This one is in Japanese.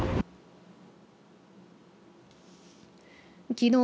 きのう